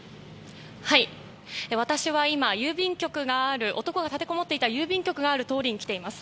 私は今男が立てこもっていた郵便局がある通りに来ています。